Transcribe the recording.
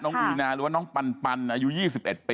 น้องวีนาหรือน้องปันปันอายุ๒๑ปี